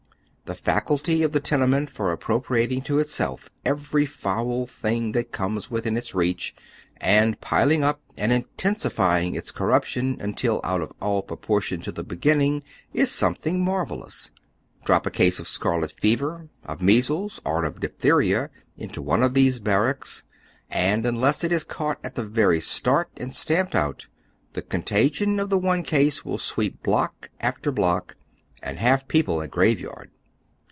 The faculty of the tenement for appropriating to itself eveiy foul thing that comes within its reach, and piling up and intensifying its corruption until out of al! proportion to tlie beginning, is something marvellous. Drop a case of scarlet fever, of measles, or of diphtheiua into one of these barracks, and, unless it is caught at the very start and stamped out, the contagion of the one case will sweep block after block, and liaif ] eople a graveyard.